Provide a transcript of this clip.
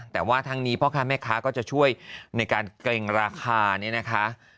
แต่ว่าทั้งนี้พ่อค้าแม่ค้าก็จะช่วยในการเกรงราคาเนี่ยนะคะ